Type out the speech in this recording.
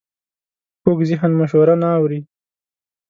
کوږ ذهن مشوره نه اوري